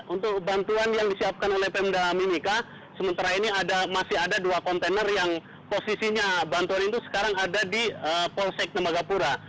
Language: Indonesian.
untuk bantuan yang disiapkan oleh pemda mimika sementara ini masih ada dua kontainer yang posisinya bantuan itu sekarang ada di polsek tembagapura